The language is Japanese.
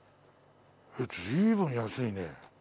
随分安いね。